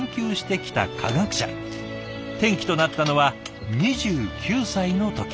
転機となったのは２９歳の時。